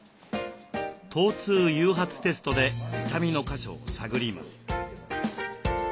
疼痛誘発テストで痛みの箇所を探ります。